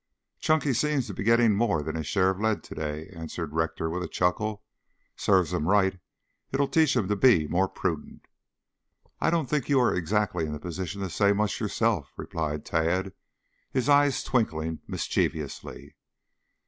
"Chunky seems to be getting more than his share of lead to day," answered Rector with a chuckle. "Serves him right. It'll teach him to be more prudent." "I don't think you are exactly in the position to say much yourself," replied Tad, his eyes twinkling mischievously.